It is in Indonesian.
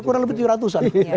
kurang lebih tujuh ratus an